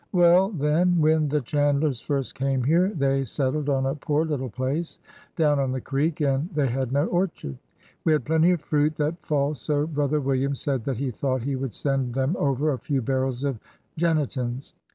" Well, then : when the Chandlers first came here they settled on a poor little place down on the creek, and they had no orchard. We had plenty of fruit that fall, so brother William said that he thought he would send them over a few barrels of Genitins.